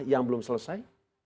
yang belum selesai